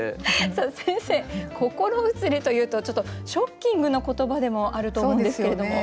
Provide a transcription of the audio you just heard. さあ先生心移りというとちょっとショッキングな言葉でもあると思うんですけれども。